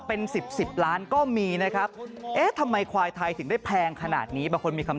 เป็น๑๐ล้านก็มีนะครับ